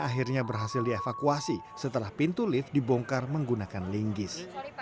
akhirnya berhasil dievakuasi setelah pintu lift dibongkar menggunakan linggis